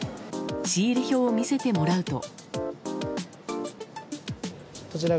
仕入れ表を見せてもらうと。